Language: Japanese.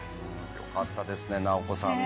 よかったですねなおこさんね。